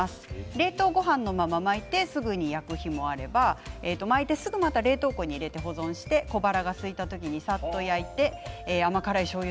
冷凍ごはんのまま巻いてすぐに焼く日もあれば巻いてすぐまた冷凍庫に入れて保存して小腹がすいた時にさっと焼いて甘辛いしょうゆ